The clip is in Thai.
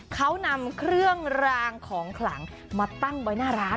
เขานำเครื่องรางของขลังมาตั้งไว้หน้าร้าน